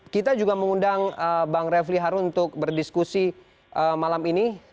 kita juga mengundang bang refli harun untuk berdiskusi malam ini